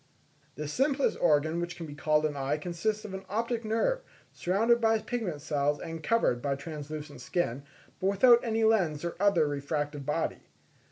The simplest organ which can be called an eye consists of an optic nerve, surrounded by pigment cells and covered by translucent skin, but without any lens or other refractive body.